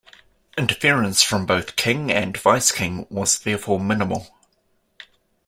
Interference from both King and Vice King was therefore minimal.